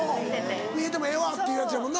見えてもええわってやつやもんな。